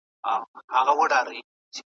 غر که هر څومره وي لوړ پر سر یې لار سته